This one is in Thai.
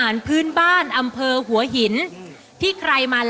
ละมุนนีสีหัวหินมาก